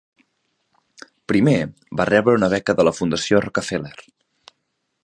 Primer, va rebre una beca de la Fundació Rockefeller.